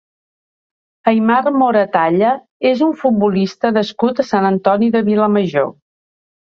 Aimar Moratalla és un futbolista nascut a Sant Antoni de Vilamajor.